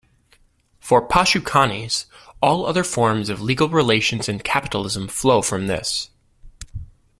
For Pashukanis, all other forms of legal relations in capitalism flow from this.